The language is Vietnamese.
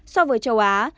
so với châu á